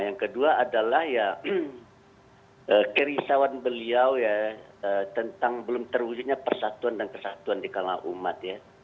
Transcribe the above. yang kedua adalah ya kerisauan beliau ya tentang belum terwujudnya persatuan dan kesatuan di kalangan umat ya